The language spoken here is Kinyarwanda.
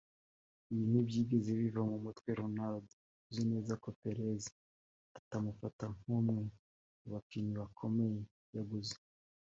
Ibi ntibyigeze biva mu mutwe wa Ronaldo uzi neza ko Perez atamufata nk’umwe mu bakinnyi bakomeye yaguze